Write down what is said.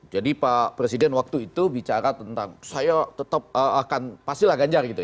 jadi pak presiden waktu itu bicara tentang saya tetap akan pastilah ganjar gitu ya